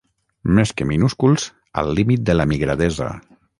Més que minúsculs, al límit de la migradesa.